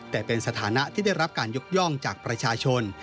แต่เป็นสถานะที่ได้รับการยกย่องจากประชาชน